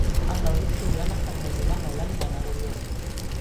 El nou d'octubre na Farners i na Lola aniran a Agullent.